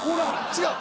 違う。